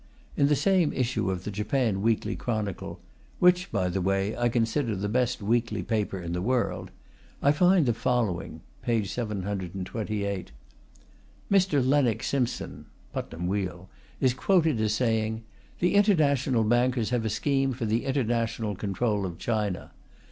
In the same issue of the Japan Weekly Chronicle which, by the way, I consider the best weekly paper in the world I find the following (p. 728): Mr. Lennox Simpson [Putnam Weale] is quoted as saying: "The international bankers have a scheme for the international control of China.